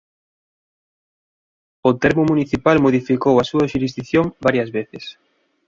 El termo municipal modificou a súa xurisdición varias veces.